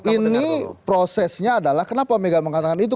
ini prosesnya adalah kenapa mega mengatakan itu